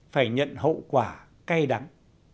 phải nhận hậu quả cay đắng